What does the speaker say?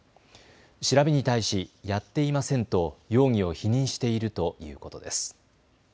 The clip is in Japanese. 調べに対し、やっていませんと容疑を否認しているということです。